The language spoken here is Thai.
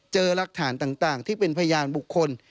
รักฐานต่างที่เป็นพยานบุคคล